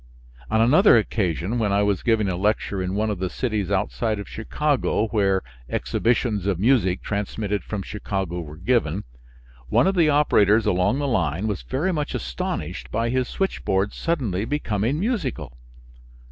On another occasion, when I was giving a lecture in one of the cities outside of Chicago, where exhibitions of music transmitted from Chicago were given, one of the operators along the line was very much astonished by his switchboard suddenly becoming musical.